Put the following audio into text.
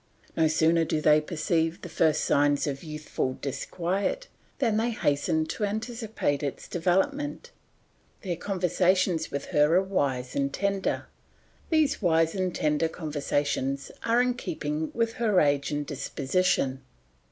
No sooner do they perceive the first signs of youthful disquiet than they hasten to anticipate its development, their conversations with her are wise and tender. These wise and tender conversations are in keeping with her age and disposition.